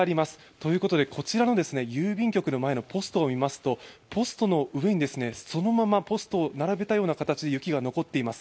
ということでこちらの郵便局の前のポストを見ますとポストの上にそのままポストを並べたような形で雪が残っています。